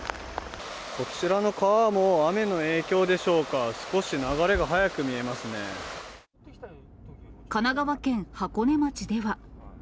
こちらの川も、雨の影響でしょうか、神奈川県箱根町では。